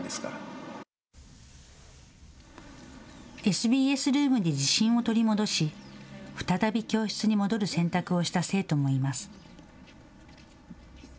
ＳＢＳルームで自信を取り戻し再び教室に戻る選択をした生徒もいます。